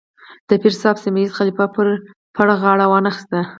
د پیر صاحب سیمه ییز خلیفه پړه پر غاړه وانه اخیسته.